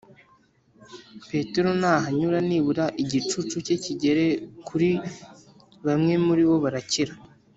Petero nahanyura nibura igicucu cye kigere kuri bamwe muri bo barakira